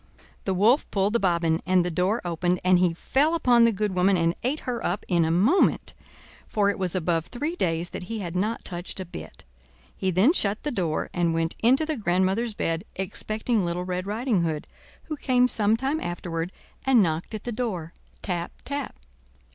The Wolf pulled the bobbin, and the door opened, and he fell upon the good woman and ate her up in a moment, for it was above three days that he had not touched a bit. He then shut the door and went into the grandmother's bed, expecting Little Red Riding Hood, who came some time afterward and knocked at the door—tap, tap.